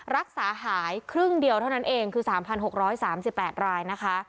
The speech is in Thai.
รักษาหายครึ่งเดียวเท่านั้นเองคือสามพันหกร้อยสามสิบแปดรายนะคะ